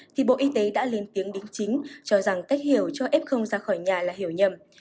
thì bộ y tế đã lên tiếng đính chính cho rằng cách hiểu cho f ra khỏi nhà là hiểu nhầm